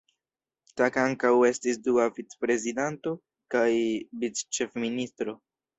Tang ankaŭ estis dua vicprezidanto kaj vicĉefministro.